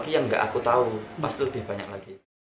tapi bagian yang nggak aku tahu pasti lebih banyak lagi